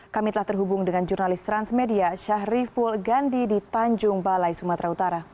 kami telah terhubung dengan jurnalis transmedia syahriful gandhi di tanjung balai sumatera utara